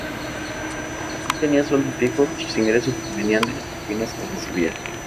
Como no tenía sueldo fijo, sus ingresos provenían de las propinas que recibía.